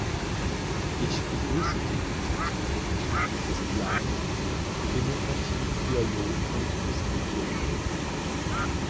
Ich begrüße die Initiative bezüglich des Plans für Demokratie, Dialog und Diskussion.